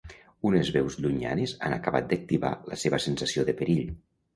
Unes veus llunyanes han acabat d'activar la seva sensació de perill.